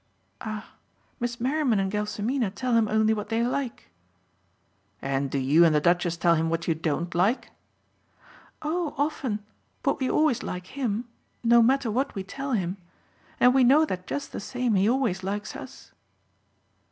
"Ah Miss Merriman and Gelsomina tell him only what they like." "And do you and the Duchess tell him what you DON'T like?" "Oh often but we always like HIM no matter what we tell him. And we know that just the same he always likes us."